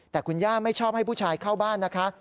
แต่คุณย่าไม่ชอบให้ผู้ชายเข้าบ้านนะคะ